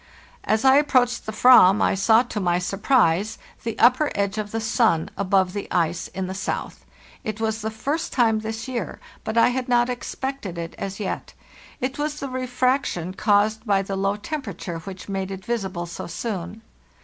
"As I approached the /ram I saw, to my surprise, the upper edge of the sun above the ice in the south. It SUNDAY AFTERNOON ON BOARD was the first time this year, but I had not expected it as yet. It was the refraction caused by the low temperature which made it visible so soon.